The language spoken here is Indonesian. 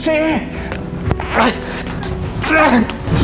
tidak ada apa apa aku sudah berhenti